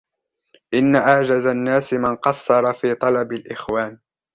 إنَّ أَعْجَزَ النَّاسِ مَنْ قَصَّرَ فِي طَلَبِ الْإِخْوَانِ